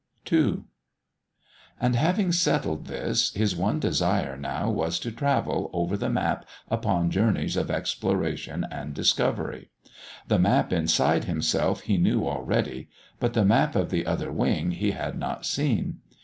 2 And, having settled this, his one desire now was to travel over the map upon journeys of exploration and discovery. The map inside himself he knew already, but the map of the Other Wing he had not seen.